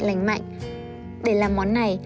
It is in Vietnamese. lành mạnh để làm món này